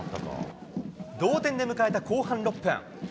同点で迎えた後半６分。